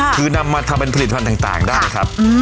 คือนำมาทำเป็นผลิตภัณฑ์ต่างได้นะครับ